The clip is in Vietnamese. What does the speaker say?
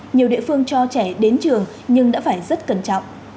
nhiều địa phương cho trẻ đến trường nhưng đã phải rất cẩn trọng